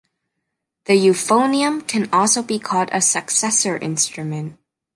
The euphonium can also be called a successor instrument.